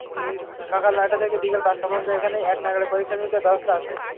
সকাল নয়টা থেকে বিকেল পাঁচটা পর্যন্ত এখানে একনাগাড়ে পরীক্ষা-নিরীক্ষার ব্যবস্থা আছে।